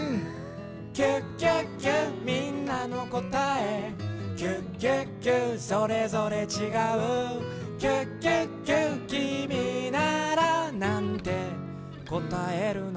「キュキュキュみんなのこたえ」「キュキュキュそれぞれちがう」「キュキュキュきみならなんてこたえるの？」